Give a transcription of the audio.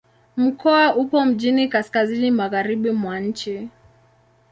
Mkoa upo mjini kaskazini-magharibi mwa nchi.